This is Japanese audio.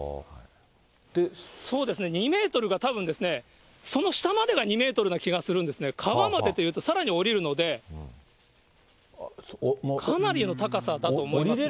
そうですね、２メートルがたぶん、その下までが２メートルな気がするんですね、川までというと、さらに下りるので、かなりの高さだと思います。